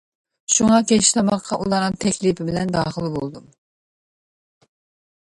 شۇڭا كەچلىك تاماققا ئۇلارنىڭ تەكلىپى بىلەن داخىل بولدۇم.